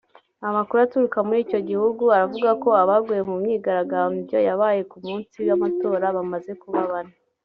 Amakuru aturuka muri iki gihugu aravuga ko abaguye mu myigaragambyo yabaye ku munsi w’ amatora bamaze kuba bane